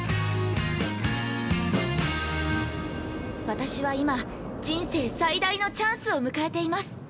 ◆私は今人生最大のチャンスを迎えています。